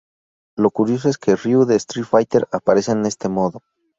Lo curioso es que Ryu de Street Fighter aparece en este modo.